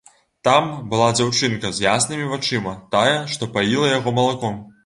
Там была дзяўчынка з яснымі вачыма, тая, што паіла яго малаком.